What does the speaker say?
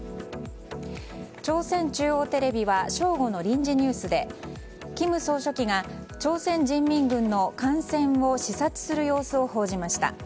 朝鮮中央通信は正午の臨時ニュースで金総書記が朝鮮人民軍の艦船を視察する様子を報じました。